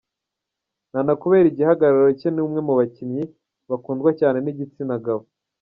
Nana kubera igihagararo cye ni umwe mu bakinnyi bakundwa cyane n'igitsina gabo.